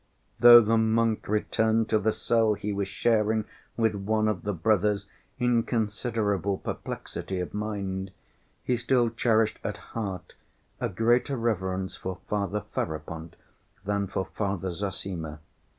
Though the monk returned to the cell he was sharing with one of the brothers, in considerable perplexity of mind, he still cherished at heart a greater reverence for Father Ferapont than for Father Zossima.